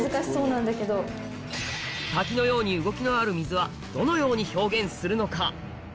滝のように動きのある水はどのように表現するのか？